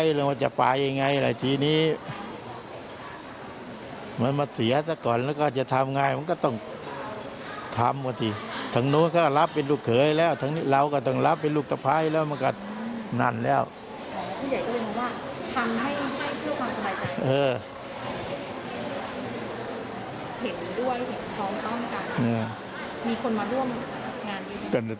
เห็นด้วยเห็นครองต้องกันมีคนมาร่วมงาน